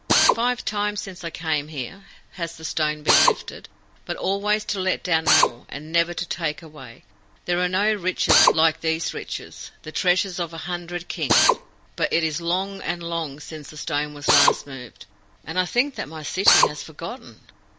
"Five times since I came here has the stone been lifted, but always to let down more, and never to take away. There are no riches like these riches the treasures of a hundred kings. But it is long and long since the stone was last moved, and I think that my city has forgotten."